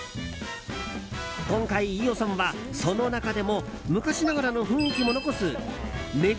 今回、飯尾さんはその中でも昔ながらの雰囲気も残す目黒